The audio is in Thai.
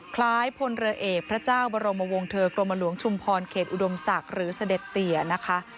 พลเรือเอกพระเจ้าบรมวงเทอร์กรมหลวงชุมพรเขตอุดมศักดิ์หรือเสด็จเตียนะคะ